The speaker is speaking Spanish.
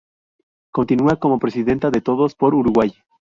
Continúa como Presidenta de Todos por Uruguay.